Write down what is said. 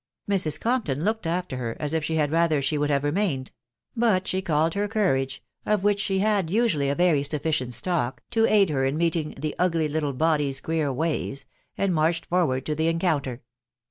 Mrs. Compton looked after her, as if she had rather she would have remained ; but she called her courage (of which she had usually a very sufficient stock) to aid her in meeting " the ugly little body's queer ways," and marched forward to the encounter.